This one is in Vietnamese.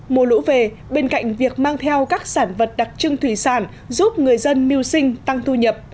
mùa lũ về bên cạnh việc mang theo các sản vật đặc trưng thủy sản giúp người dân mưu sinh tăng thu nhập